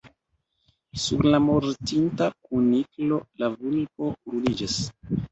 Sur la mortinta kuniklo, la vulpo ruliĝas.